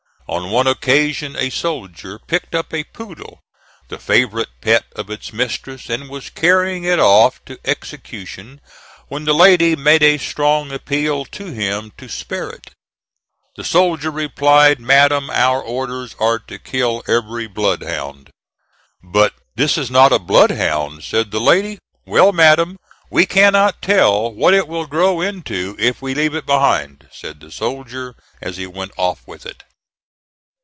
On one occasion a soldier picked up a poodle, the favorite pet of its mistress, and was carrying it off to execution when the lady made a strong appeal to him to spare it. The soldier replied, "Madam, our orders are to kill every bloodhound." "But this is not a bloodhound," said the lady. "Well, madam, we cannot tell what it will grow into if we leave it behind," said the soldier as he went off with it.